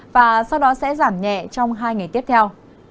và sau đó sẽ giảm nhẹ trong hai ngày tiếp theo